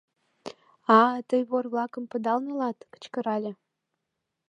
— А-а, тый вор-влакым пыдал налат?! — кычкырале.